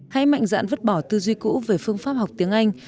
hãy mạnh dạn vứt bỏ tư duy cũ về phương pháp học tiếng anh